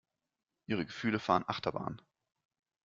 Ihre Gefühle fahren Achterbahn.